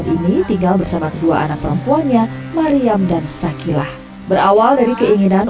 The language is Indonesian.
ini tinggal bersama dua anak perempuannya mariam dan sakilah berawal dari keinginan